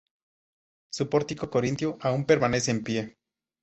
Su pórtico corintio aún permanece en pie.